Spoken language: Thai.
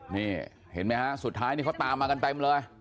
นี่เห็นไหมฮะสุดท้ายนี่เขาตามมากันเต็มเลย